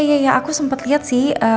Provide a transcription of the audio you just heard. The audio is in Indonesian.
iya ya aku sempat lihat sih